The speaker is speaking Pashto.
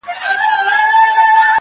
پلار کار ته ځي خو زړه يې نه وي هلته,